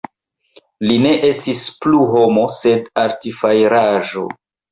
Li ne estis plu homo, sed artfajraĵo.